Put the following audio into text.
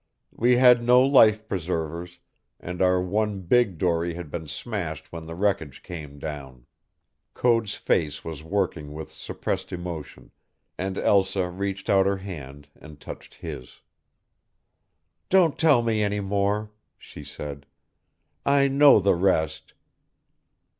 We had no life preservers, and our one big dory had been smashed when the wreckage came down." Code's face was working with suppressed emotion, and Elsa reached out her hand and touched his. "Don't tell me any more," she said; "I know the rest.